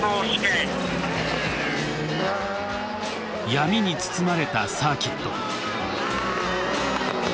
闇に包まれたサーキット。